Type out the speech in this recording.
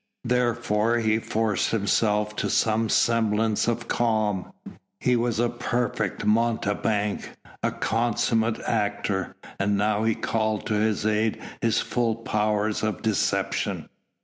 Therefore he forced himself to some semblance of calm. He was a perfect mountebank, a consummate actor, and now he called to his aid his full powers of deception.